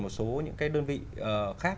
một số những cái đơn vị khác